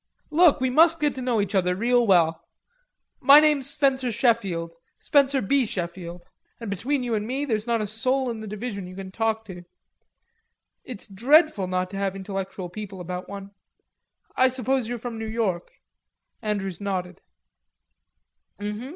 "Look, we must get to know each other real well. My name's Spencer Sheffield...Spencer B. Sheffield.... And between you and me there's not a soul in the division you can talk to. It's dreadful not to have intellectual people about one. I suppose you're from New York." Andrews nodded.